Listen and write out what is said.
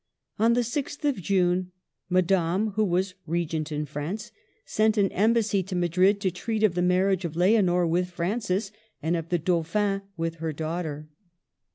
On the 6th of June, Madame, who was Regent in France, sent an embassy to Madrid, to treat of the marriage of Leonor with Francis and of the Dauphin with her daughter.